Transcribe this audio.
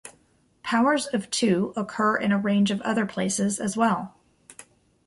Powers of two occur in a range of other places as well.